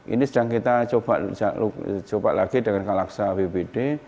ini sedang kita coba lagi dengan kalaksa wpd